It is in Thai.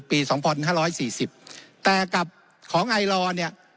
ปีสองพันห้าร้อยสี่สิบแต่กับของไอรอเนี้ย